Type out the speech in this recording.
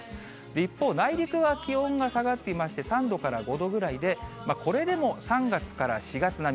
一方、内陸は気温が下がっていまして、３度から５度ぐらいで、これでも３月から４月並み。